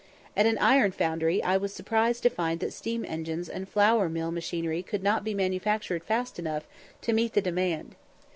At an iron foundry I was surprised to find that steam engines and flour mill machinery could not be manufactured fast enough to meet the demand.